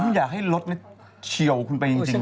ผมอยากให้รถเชี่ยวคุณไปจริงเลยครับ